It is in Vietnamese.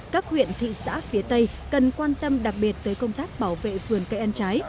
các huyện thị xã phía tây cần quan tâm đặc biệt tới công tác bảo vệ vườn cây ăn trái